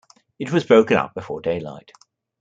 It was broken up before daylight.